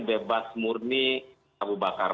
bebas murni abu bakar